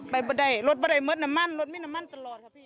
ไปปะได้รถปะได้เหมือนน้ำมันรถไม่น้ำมันตลอดครับพี่